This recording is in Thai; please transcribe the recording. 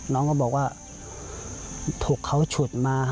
น้องก็บอกว่าถูกเขาฉุดมา